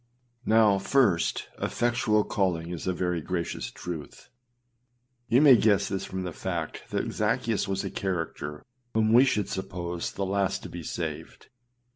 1. Now, first, effectual calling is a very gracious truth. You may guess this from the fact that Zaccheus was a character whom we should suppose the last to be saved.